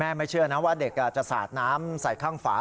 ไม่เชื่อนะว่าเด็กจะสาดน้ำใส่ข้างฝา